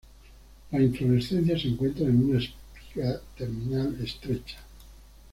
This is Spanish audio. La inflorescencia se encuentra en una espiga terminal estrecha.